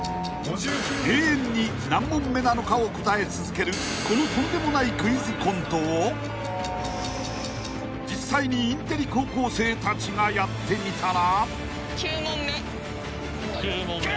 ［永遠に何問目なのかを答え続けるこのとんでもないクイズコントを実際にインテリ高校生たちがやってみたら］